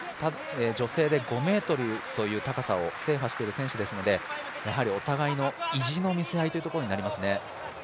女性で５４という高さを制覇している選手ですのでやはりお互いの意地の見せ合いということになりますね。